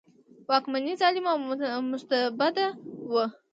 واکمني ظالمه او مستبده وه.